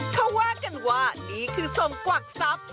เขาว่ากันว่านี่คือทรงกวักทรัพย์